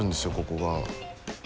ここが。